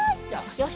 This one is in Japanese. よし。